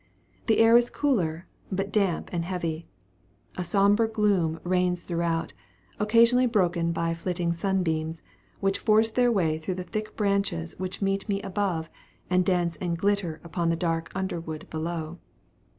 The air is cooler, but damp and heavy. A sombre gloom reigns throughout, occasionally broken by flitting sunbeams, which force their way through the thick branches which meet above me, and dance and glitter upon the dark underwood below.